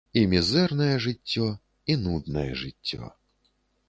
І мізэрнае жыццё, і нуднае жыццё.